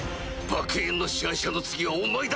爆炎の支配者の次はお前だ！